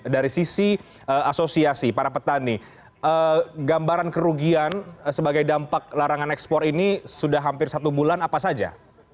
dari sisi asosiasi para petani gambaran kerugian sebagai dampak larangan ekspor ini sudah hampir satu bulan apa saja